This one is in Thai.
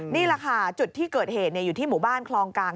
นี่แหละค่ะจุดที่เกิดเหตุอยู่ที่หมู่บ้านคลองกลาง